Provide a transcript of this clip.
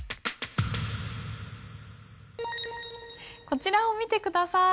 こちらを見て下さい。